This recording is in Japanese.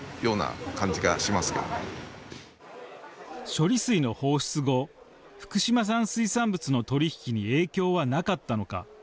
処理水の放出後福島産水産物の取り引きに影響はなかったのか。